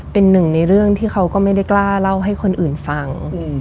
เป็นหนึ่งในเรื่องที่เขาก็ไม่ได้กล้าเล่าให้คนอื่นฟัง